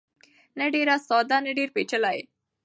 نه ډېر ساده نه ډېر پېچلی.